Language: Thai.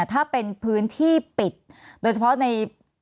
ถ้าเป็นพื้นที่ปิดโดยเฉพาะใน